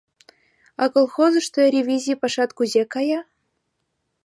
А колхозышто ревизий пашат кузе кая?